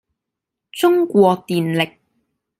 中國電力